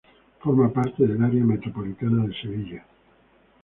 Forma parte del área metropolitana de Sevilla.